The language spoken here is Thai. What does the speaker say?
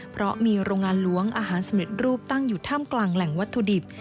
เพราะมีโรงงานล้วงอาหารสำเร็จรูปตั้งอยู่ท่ามกลางแหล่งวัตถุดิบ